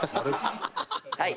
はい。